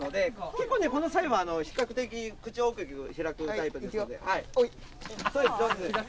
結構ねこのサイは比較的口大きく開くタイプですので。